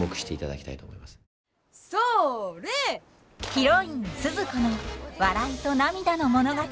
ヒロインスズ子の笑いと涙の物語。